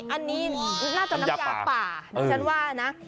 อันนี้น่าจะน้ำยาป่าดิฉันว่านะ